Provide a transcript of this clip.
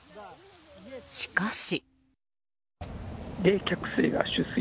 しかし。